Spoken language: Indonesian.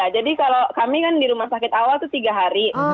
kalau kami kan di rumah sakit awal itu tiga hari